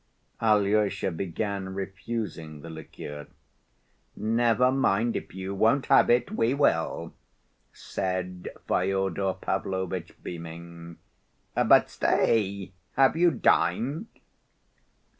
Alyosha began refusing the liqueur. "Never mind. If you won't have it, we will," said Fyodor Pavlovitch, beaming. "But stay—have you dined?"